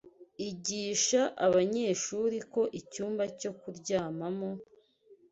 Igisha abanyeshuri ko icyumba cyo kuryamamo